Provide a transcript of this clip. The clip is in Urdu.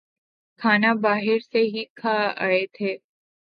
کھانا باہر سے ہی کھا آئے تھے